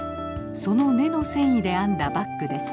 その根の繊維で編んだバッグです。